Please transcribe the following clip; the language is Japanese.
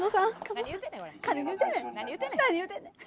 何言うてんねんこれ。